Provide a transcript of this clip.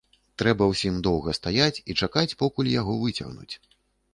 Трэба ўсім доўга стаяць і чакаць, покуль яго выцягнуць.